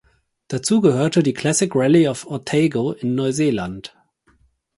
Dazu gehörte die "Classic Rallye of Otago" in Neuseeland.